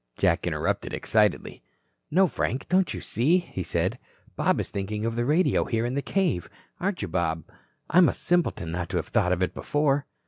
Jack interrupted excitedly. "No, Frank, don't you see!" he said. "Bob is thinking of the radio here in the cave. Aren't you, Bob? I'm a simpleton not to have thought of it before."